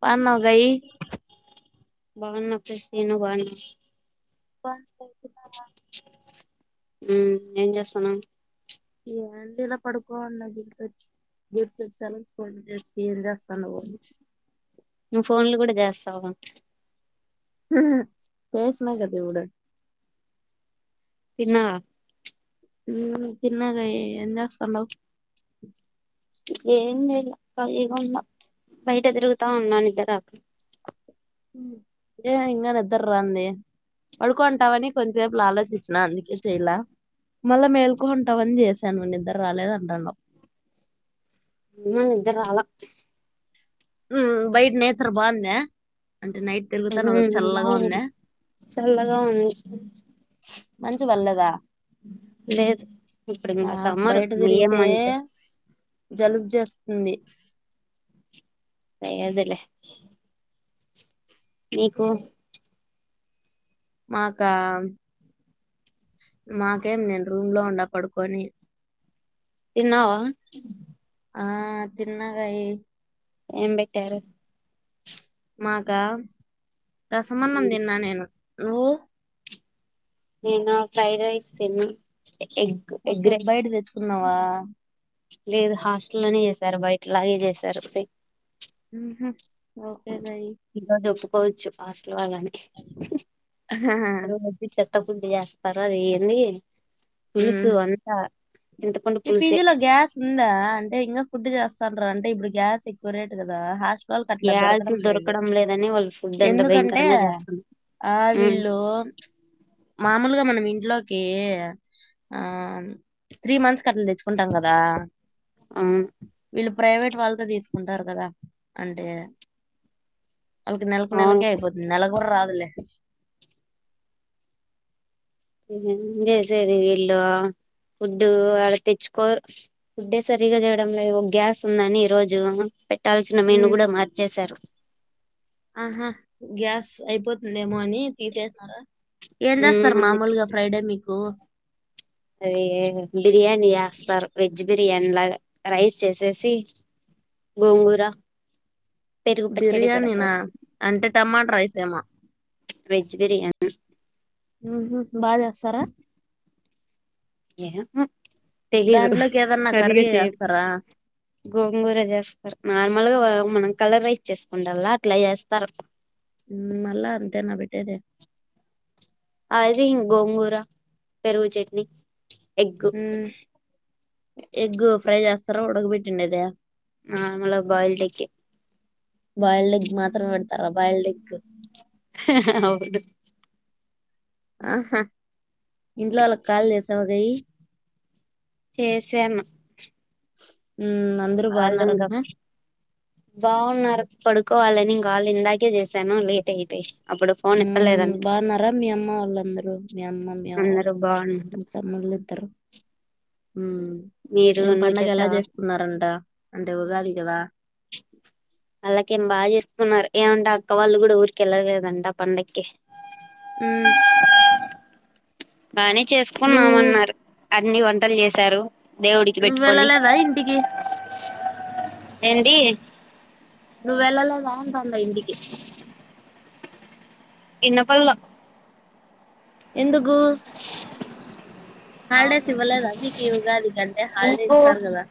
బాన్నావా గాయి బాగున్నా అక్క సీను బాన్నాడా బాన్నాడు ఉ ఏం చేస్తాన్నావ్ ఏంటి ఇలా పడుకోండా గుర్చొచ్చి గుర్చొచ్చాలం చేస్త ఏం చేస్తా నువ్ ఫోన్లు కూడా జస్తావ చేసిన కదా ఇప్పుడు తిన్నావా హమ్ తిన్న గాని ఏం చేస్తానావ్ ఏం చేయాలా కాలి గా ఉన్న బయట తిరుగుతూ ఉన్న నిద్దర రాక ఏ ఇంకా నిద్ర రంది పడుకోంటావని కొద్సేపు ఆలోచించిన అందుకే చెయాల మళ్ళా మేల్కోంటావని చేసాను్ నిద్ర రాలేద అని అంటాండావు ఏమో నిద్దర రాలా ఉ బయట నేచర్ బాగుందా అంటే నైట్ ఉ తిరుగుతాను కదా చల్లగా ఉందా బవుంది చల్లగా ఉంది మంచు పడ్లేద లేదు ఇప్పుడు ఇంగ నాకు సమ్మర్ బయట ఏం తిరిగితే మంచు జలుబు చేస్తుంది లేదు లే మీీకు మాకా మాకేం నేను రూమ్ లో ఉంండ పడుకొని తన్నావా ఆ తిన్నాగయి ఏం పెట్టారు మాగా రసమన్నం ఉమ్ తిన్నా నేను ఓ నిన్న ఫ్రైడ్ రైస్ తిన్న ఓకే బయట తెచ్చుకున్నావా లేదు హాస్టల్లోనే చేసారు బయటలాగే చేసారు ఊహు ఒక్కేగా ఇ పౌచ్ ఆ [unintelligible] పర్వాలే ఎంది ఉమ్ పులుసు అంతా [inaudible] మీ పులుసే పీజీ లో గ్యాస్ ఉందా అంటే ఇంకా ఫుడ్ చేస్తా డ్రు అంటే ఇప్పుడు గ్యాస్ ఎక్కువరేట్ కదా హాస్ వాళ్ళకట్ల దొరకడం యాలకులు లేదు లేదని వాళ్ళు ఫుడ్ అంత ఎందుకంటే భయంకరంగా చేస్తున్నారు ఆ ఉమ్ వీళ్ళు మామూలుగ మనం ఇంట్లోకి ఆ త్రీ మంత్స్ కట్ల తెచ్చుకుంటాం కదా అమ్ వీళ్ళు ప్రైవేట్ వాళ్ళతో తీసుకుంటారు కదా అంటే ఆల్కి నెల్కి అవును నెలకే అయిపోతుంది నెలగూడ రాదులే [inaudible] ఏం చేసేది వీళ్ళ ఫుడ్డు ఆడ తెచ్చుకోరు ఫుడ్డే సరిగా చేయడం లేదు గ్యాస్ ఉందని ఈరోజు పే పెట్టాల్సిన మెను గూడా మార్చేశారు అహా గ్యాస్ అయిపోతుందేమో అని తీసేసినార? ఏం చేస్తారు మామూలుగా ఫ్రైడే మీకు అదీ బిర్యానీ జేస్తారు వెజ్ బిర్యానీ లాగా రైస్ చేసేసి గోంగూర పెరుగు పచ్చడి బిర్యానీనా పెడతారు అంటే టమాట రైసేమో మ్ ఉహు బాగ చేస్తారా ఏమో తెలీదు దాంట్లోకి ఏదన్నా సరిగా కర్రీ చేయరు చేస్తారా గోంగూర చేస్తారు నార్మల్గా మనం కలర్ రైస్ చేసుకుంటడ్లా అట్లా చేస్తారు ఉ మళ్లా అంతేనా బెట్టేది అది గోంగూర పెరుగు చట్నీ ఎగ్గు మ్మ్. ఎగ్ ఫ్రై చేస్తారా ఉడగబెట్టిండేద ఆ బౌల్డ్ ఎగ్ యే బాయిల్డ్ ఎగ్ మాత్రమే పెడతారా బైల్డ్ ఎగ్ అవును ఆహా ఇంట్లో వాళ్ళ కాలు చేసావా నెయ్యి చేసాను అందరూ వాళ్ళు బాగున్నారంటనా బాగున్నారు పడుకోవాలనిం కాళ ఇందాకే చేశాను లేట్ అయిపోయి అప్పుడు ఫోన్ హ్మ్మ్ ఎత్తలేదంట బాగున్నారా మీ అమ్మవాళ్లందరూ మీ అమ్మ మీ అవ్వ అందరు బాగున్నారు తమ్ముల్లిద్దరు మీరు ఏం నువ్వు పండగ ఎలా చేసావా చేసుకున్నారంట అంటే ఉగాది వా అళ్లాకేం బాగా చేసుకున్నారు ఏమంటే అక్క వాళ్ళు కూడా ఊరికి వెళ్ళ లేదు అంటా పండగకి హ్మ్మ్ బానే నువ్వు చేసుకున్నామన్నారు అన్ని వంటలు చేశారు దేవుడికి నువ్వు పెట్టుకొని వెళ్ళలేదా ఇంటికి ఏంటి నువ్వెల లేదా అంట ఇంగ ఇంటికి ఇన్నప్పలో ఎందుకు అవును హాలిడేస్ ఇవ్వలేదా మీకు ఈ ఉగాది కంటే హాలిడే మీకు ఇస్తారు కదా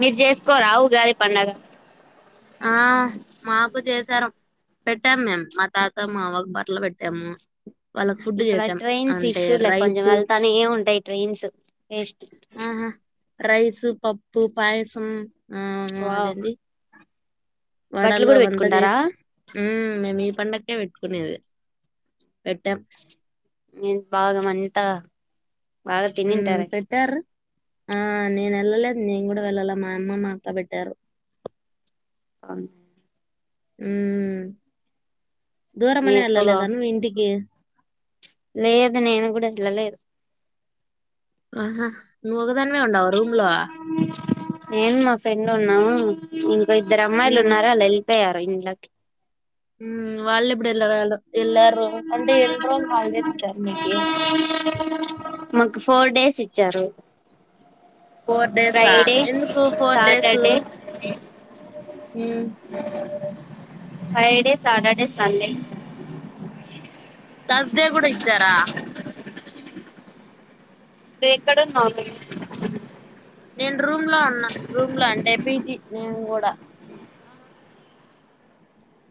మీర్ చేసుకోరా ఉగాది పండగ ఆ మాకు చేశారు పెట్టాం. మేమ్ మా తాత మావ్వకు బట్టలు పెట్టాము. వాళ్ళకి ఫుడ్ ఇక్కడ చేసాం ట్రైన్స్ అంటే ఇష్యూ లే కొంచెం రైస్ వెళ్తానే ఉంటాయి. ట్రైన్స్ ఆహా రైస్, పప్పు, పాయసం ఆ అవును వావ్ అదండి బట్టలు వడాలు కూడా అవంతా పెట్టుకుంటారా చేష్ హ్మ్ మేము ఈ పండక్కే పెట్టు కోనేదే పెట్టం మిమ్ భాగాం అంత హ్మ్ పెట్టార్ ఆ నేన్ వెళ్ళలేదు నేను కూడా వెళ్ళాలే మా అమ్మ మా అక్క పెట్టారు. అవును హ్మ్మ్ మీ దూరమనే అక్క బా ఏళ్ళేలేదా మీ ఇంటికి లేదు నేను కూడా చూడలేదు ఆహ హ ను [unintelligible] అక్కనే ఉండావ రూమ్ లో ఏంది మా ఫ్రెండున్నావ్ ఇద్దరు అమ్మాయిలు హ్మ్ ఉన్నారాలా లై తయారు ఇంట్లకి హ్మ్ వాళ్ళెప్పుడెళ్లారటు ఎళ్లారు అంటే ఎన్నీ రోల్ హాలిడేస్ ఇచ్చార్. మీకీ మాకు ఫోర్ డేస్ ఇచ్చారు. ఫోర్ డేస్ ఆ ఫ్రైడే ఎందుకు four days Saturday hmm Friday, Saturday, Sunday Thursday కూడా ఇచ్చారా నువ్వేక్కడ ఉన్నవ్ బె నేను రూమ్ లో ఉన్నా రూమ్ లో అంటే పీజీ నేను కూడా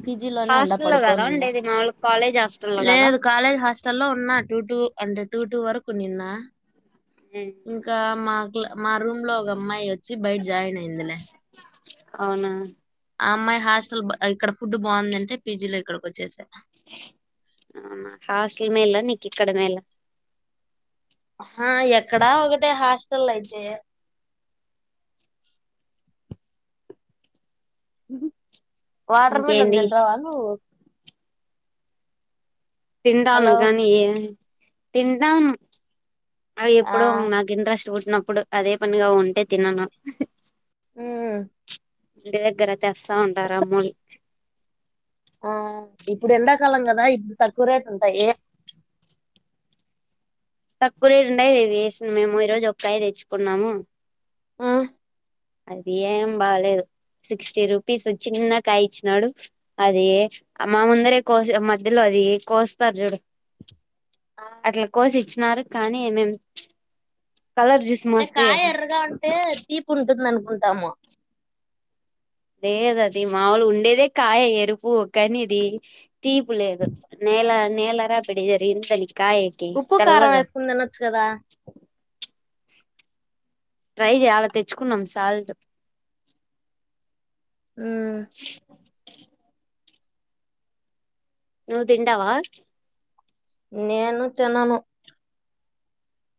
పీజీ లోనే ఉండ హాస్టల్లో కదా పడుకోనుండా ఉండేది మాములు కాలేజ్ హాస్టల్లో కదా లేదు కాలేజ్ హాస్టల్ లో ఉన్నా టూ టూ అంటే టు టు వరకు నిన్న ఇంకా మా మా రూమ్ లో ఒక అమ్మాయి వ వచ్చి బయట జాయిన్ అయిందిలే అవునా ఆ అమ్మాయి హాస్టల్ ఇక్కడ ఫుడ్ బాగుందంటే పీజీలో ఇక్కడికి వచ్చేసా హాస్టల్ మేలా నికిక్కడమేలా ఆ ఎక్కడా ఒకటే హాస్టల్ అయితే ఇ వాటర్ మిల్న్ ఇంకేంటి తింటావా నువ్వు హలో తింటానుగానీ తింటావును అవి ఆ ఎప్పుడు నాకు ఇంట్రెస్ట్ చిన్నప్పుడు అదే పనిగా ఉంటే తిినను హ్మ్మ్ ఇంటి దగ్గర తెస్తా ఉంటారు అమ్మోళ్ళు ఆ కూరట్ ఉంటాయి తక్కువరేటు ఉండాయి ఇవి వేసాం మేము ఈ రోజు ఒకా య తెచ్చుకున్నాము ఆ అది ఏం బాలేదు సిక్స్టీ రూపీస్ చిన్న కాయ ఇచ్చినాడు అది మా ముందరే కోసి మధ్యలో అది కోస్తారు చూడు ఆ అంటే అట్లా కోసి ఇచ్చినారు కానీ ఏమేం కలర్ చూసి మోసపోయాం తీపీ ఉంటుందనుకుంటాము లేద అది మాముూలు ఉండేదే కాయ ఎరుపు కాని ఇది తీపులేదు నేల నేలరా పెడదరి ఇంత తని ఉప్పు కారం వేసుకుని తినొచ్చు కదా ట్రై చేయాల తెచ్చుకున్నాం సాల్ట్ ఉ నువ్వు తింటవా నేను తినను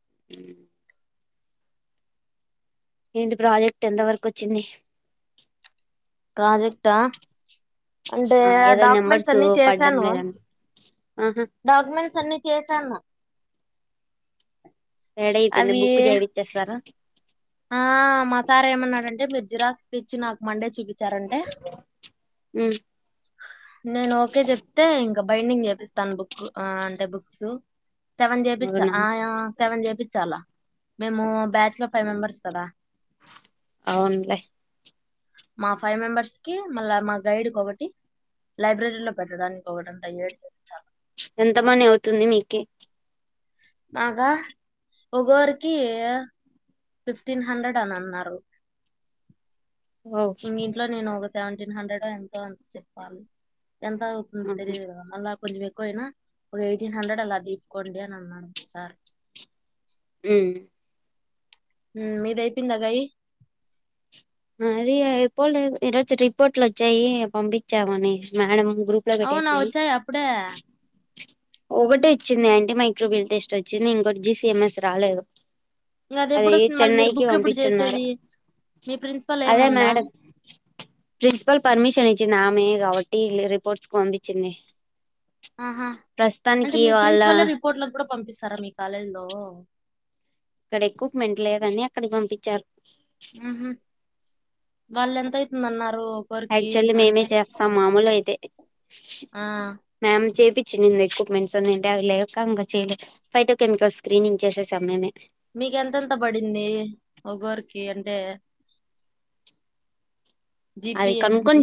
[inaudible] ఏంటి ప్రాజెక్ట్ ఎంత వరకు వచ్చింది ప్రాజెక్టా అంటే ఆ ఏదో డాక్యుమెంట్స్ నెంబర్స్ అన్ని పడ్డం చేశాను లేదండి ఆహా డాక్యుమెంట్స్ అన్ని చేసాన్న రెడీ అయిపోయింది అవి బుక్ చేపిచ్చేస్తారా ఆ మాసార్ ఏమన్నాడంటే మిరు జిరాక్స్ తెచ్చి నాకు మండే చూపిం చరంటే ఉమ్ నేను ఓకే చెప్తే ఇ బైండింగ్ చేపిస్తాను బుక్ ఆ అంటే బుక్స్ సెవెన్ చేపిచ్చ అవునా ఆయా సెవెన్ చేపిచ్చాల మేము బ్యాచ్ లో ఫైవ్ మెంబర్స్ కదా అవునులే మా ఫైవ్ మెంబర్స్ కి మళ్ళా మా గైడ్ కి ఒకటి లైబ్రరీ లో పెట్టడానికి ఒకటి అంట ఏడు చేయించాలా ఎంత మని అవుతుంది మీకి మాకా ఒకొకరికి ఫిఫ్టీన్ హండ్రెడ్ అని అన్నారు ఓ ఇంగ ఇంట్లో నేను ఒ సెవెంటీన్ హండ్రెడ్ ఎంతో అనీ చెప్పాలి ఎంత అవుతుందో ఆహా తెలీదు కదా మళ్ళ కొంచెం ఎక్కువైనా ఒక ఎయిటీన్ హండ్రెడ్ అలా తీసుకోండి అని అన్నాడు సార్ ఉమ్ హ్మ్మ్ మీద అయిపోందాగయి అది అయిపోలేదు ఈరోజు రిపోర్ట్లోచ్చాయి పంపించామని మేడం గ్రూప్ లో అవునా పెట్టేసింది వచ్చాయా అప్పుడే ఒకటి ఈచ్చింది యాంటీ మైక్రోబిల్ టెస్ట్ వచ్చింది ఇంకోటి జీసీఎంఎస్ రాలేదు ఇంకా అది ఎప్పుడు వస్తుంది మళ్ళీ మీరు చెన్నైకి బుక్ ఎప్పుడు పంపించున్నారు చేసేది మీ ప్రిన్సిపల్ అదే ఏమందా మేడం ప్రిన్సిపాల్ పర్మిషన్ ఇ మ నామే కాబట్టి రిపోర్ట్స్ పంపించింది ఆహా అంటే ప్రస్తుతానికి మీ వాళ్ళ ప్రిన్సిపల్ రిపోర్ట్లకు కూడా పంపిస్తారా మీ కాలేజ్ లో ఇక్కడ ఎక్వప్మెంట్ లేదని అక్కడ పంపించారు ఉ హూ వాళ్ళ ఎంతా అవుతుందన్నారు యాక్చువల్లీ మేమే చేస్తాం మామూలు అయితే ఆ మ్యామ్ జపి చిన్న ఎక్విప్మెంట్స్ ఉన్నాయంటే అవి లేక ఇంకా చెయలేదు బైట కెమికల్ స్క్రీనింగ్ చేసేసం మేమే మీక ఎంతెంత పడింది ఒకఒకరికి అంటే జిపి అది కనుక్కొని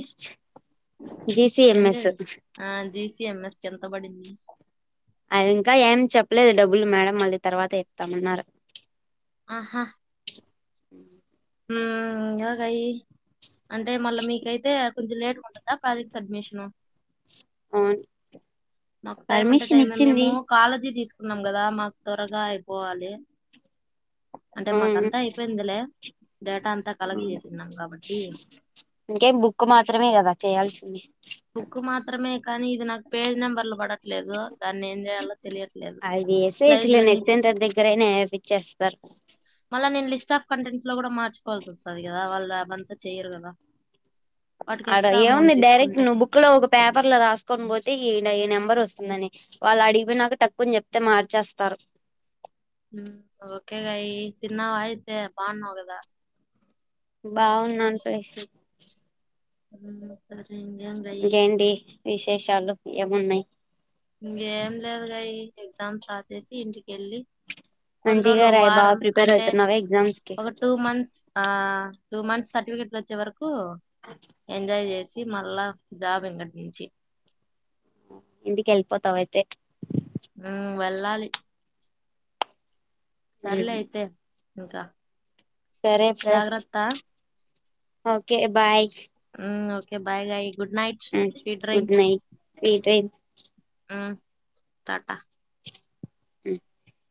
ఎ జిసిఎంఎస్ జిఎంఎస్ ఎంత పడింది అది ఇంకా ఏం చెప్పలేదు డబ్బులు మేడం మళ్ళీ తర్వాత ఇస్తామన్నారు ఆహా ఉ ఉ ఇంకాగాయి అంటే మళ్ళా మీకైతే కొంచెం లేేట్ంటందా ప్రాజెక్ట్స్ అడ్ట్మిషన అవును నాకు టైం అంటే పర్మిషన్ టైమ మేము ఇచ్చింది కాళది తీసుకు న్నాం కదా మాకు త్వరగా అయిపోవాలి అంటే మాక అంతా అయిపోయిందిలే డేటా అంతా కలెక్ట్ చేసిన్నాం కాబట్టి ఇంకే బుక్ మాత్రమే కదా చేయాల్సింది బుక్ మాత్రమే కానీ ఇది నాకు పేజ్ నెంబర్లు కూడా లేదు దాని ఏం చేయాలో తెలియట్లేదు అది ఎస్హెచ్లో స్లైడ్లు అని నెట్ ఇచ్ సెంటర్ దగ్గరైనా ఏపిచ్చేస్తారు మల్ల నేన్ లిస్ట్ ఆఫ్ కంటెంట్స్ లో కూడా మచకోవాల్సి వస్ స్తది కదా వాళ్ళు అబంతా చేయరు కదా వాటికి ఆడ ఎక్స్ట్రా ఏం ఉంది అమౌంట్ డైరెక్ట్ తీసుకుంటే నువ్ బుక్ ఇక్కడో ఒక పేపర్ లో రాసుకొని పోతే ఈ నెంబర్ వస్తుందని వాళ్ళు అడిపోయినాక తక్కుని చెప్తే మార్చేస్తారు ఉమ్ ఓకేగాయి తిన్నావా అయితే బాగున్నావ్ కదా బావున్నాను ప్రసి ఉమ్ సరే ఇంకేం గాయి ఇంకేంటి విశేషాలు ఏమున్నాయి ఇంకేం లేదు గాయి ఎగ్జామ్స్ రాసేసి ఇంటికెళ్ళి కొన్ని మంచిగా రోజులు ఒక రాయ్ బా వారం అంటే ప్రిపేయర్తున్నావా ఎగ్జామ్స్ కి ఒక టూ మంత్స్ ఆ టూ మంత్స్ సర్టిఫికెట్లు వచ్చే వరకు క్ ఎంజాయ్ చేసి మళ్ళా జాబ్ ఇంకట్నుంచి ఇంటికిల్పోతావ్ అయితే ఉ వెళ్ళాలి సర్లే అయితే ఇంకా సరే ఫ్రెష్ జాగ్రత్త okay bye um okay bye గా um good night sweet dreams um tata ఉమ్